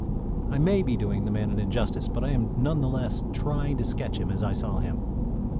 I may be doing the man an injustice, but I am none the less trying to sketch him as I saw him.